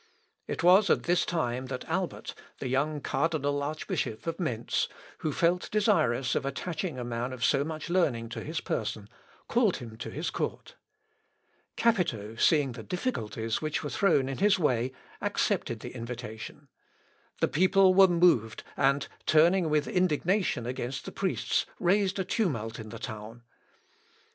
It was at this time that Albert, the young cardinal archbishop of Mentz, who felt desirous of attaching a man of so much learning to his person, called him to his court. Capito, seeing the difficulties which were thrown in his way, accepted the invitation. The people were moved, and, turning with indignation against the priests, raised a tumult in the town.